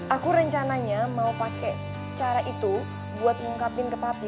aku rencananya mau pakai cara itu buat mengungkapin kepapi